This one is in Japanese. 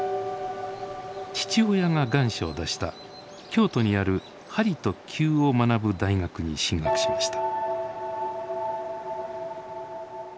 父親が願書を出した京都にある鍼と灸を学ぶ大学に進学しました。